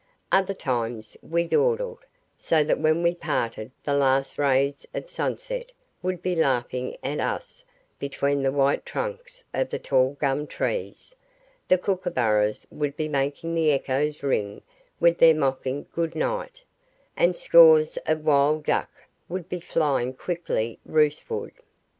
Other times we dawdled, so that when we parted the last rays of sunset would be laughing at us between the white trunks of the tall gum trees, the kookaburras would be making the echoes ring with their mocking good night, and scores of wild duck would be flying quickly roostward.